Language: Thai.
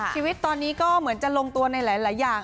ชีวิตตอนนี้ก็เหมือนจะลงตัวในหลายอย่าง